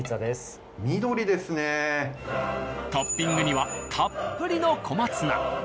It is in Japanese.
トッピングにはたっぷりの小松菜。